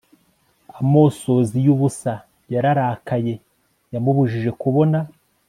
Amosozi yubusa yararakaye yamubujije kubona